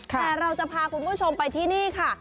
แต่เราจะพาคุณผู้ชมไปที่นี่ค่ะ